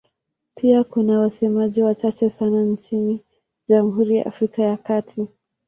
Pia kuna wasemaji wachache sana nchini Jamhuri ya Afrika ya Kati.